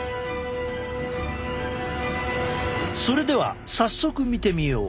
それでは早速見てみよう。